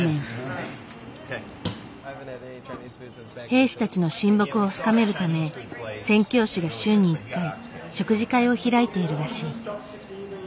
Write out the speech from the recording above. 兵士たちの親睦を深めるため宣教師が週に１回食事会を開いているらしい。